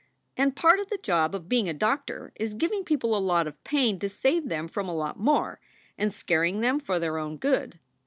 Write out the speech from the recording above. "And part of the job of being a doctor is giving people a lot of pain to save them from a lot more, and scaring them for their own good.